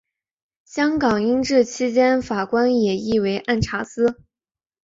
香港英治时期法官也译为按察司。